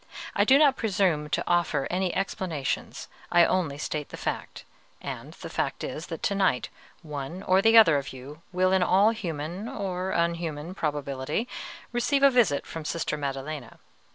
I do not presume to offer any explanations, I only state the fact; and the fact is that to night one or other of you will, in all human or unhuman probability, receive a visit from Sister Maddelena.